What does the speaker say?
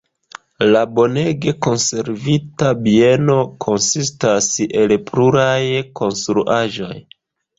La bonege konservita bieno konsistas el pluraj konstruaĵoj.